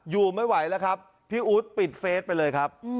อยู่ไม่ไหวแล้วครับพี่อู๊ดปิดเฟสไปเลยครับ